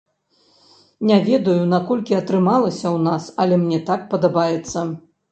Не ведаю, наколькі атрымалася ў нас, але мне так падабаецца.